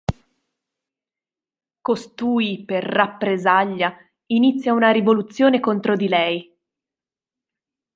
Costui, per rappresaglia, inizia una rivoluzione contro di lei.